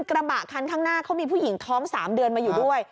กระบะคันข้างหน้าเขามีผู้หญิงท้อง๓เดือนมาอยู่ด้วย